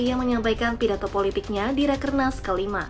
yang menyampaikan pidato politiknya di rakernas ke lima